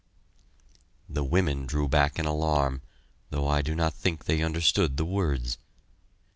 The women drew back in alarm, though I do not think they understood the words.